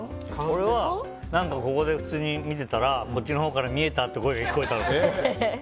俺は、何かここで普通に見てたらこっちのほうから見えたって声が聞こえたの。